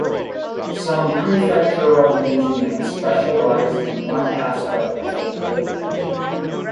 Some prefectural museums specialize in one aspect of the local culture.